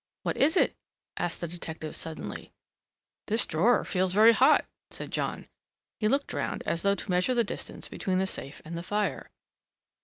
"What is it!" asked the detective suddenly. "This drawer feels very hot," said John, he looked round as though to measure the distance between the safe and the fire.